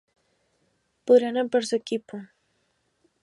Podrían ampliar su equipo.